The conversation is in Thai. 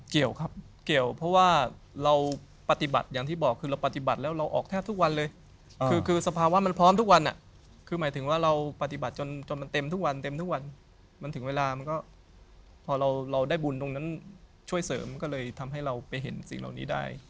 เกี่ยวครับเกี่ยวเพราะว่าเราปฏิบัติอย่างที่บอกคือเราปฏิบัติแล้วเราออกแทบทุกวันเลยคือสภาวะมันพร้อมทุกวันคือหมายถึงว่าเราปฏิบัติจนมันเต็มทุกวันเต็มทุกวันมันถึงเวลามันก็พอเราได้บุญตรงนั้นช่วยเสริมก็เลยทำให้เราไปเห็นสิ่งเหล่านี้ได้